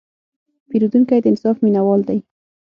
پیرودونکی د انصاف مینهوال دی.